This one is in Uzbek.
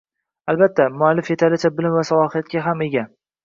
Albatta, muallif yetarlicha bilim va salohiyatga ham ega